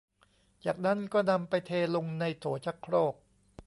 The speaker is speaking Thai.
จากนั้นก็นำไปเทลงในโถชักโครก